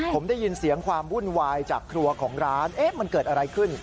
ผมได้ยินเสียงความวุ่นวายจากครัวของร้านมันเกิดอะไรขึ้น